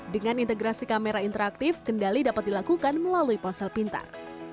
dengan integrasi kamera interaktif kendali dapat dilakukan melalui ponsel pintar